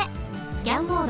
スキャンモード。